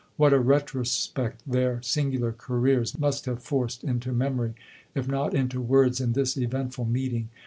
What a retrospect their singular careers must have forced into memory, if not into words, in this eventful meeting!